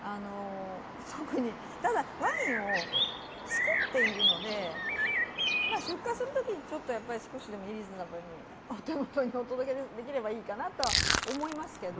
ただ、ワインを作っているので出荷する時にちょっと少しでもリーズナブルにお手元にお届けできればいいなとは思いますけど。